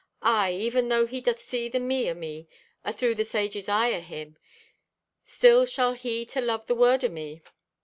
Aye, even though he doth see the me o' me athrough the sage's eye o' him, still shall he to love the word o' me."